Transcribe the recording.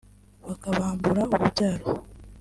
bakabambura urubyaro